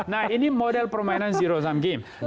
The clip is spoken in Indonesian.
nah ini model permainan zero sum game